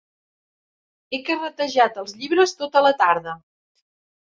He carretejat els llibres tota la tarda.